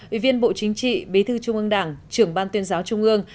ủy viên bộ chính trị bí thư trung ương đảng trưởng ban tuyên giáo trung ương